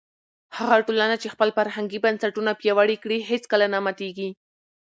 هغه ټولنه چې خپل فرهنګي بنسټونه پیاوړي کړي هیڅکله نه ماتېږي.